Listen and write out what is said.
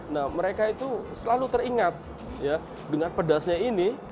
nah mereka itu selalu teringat ya dengan pedasnya ini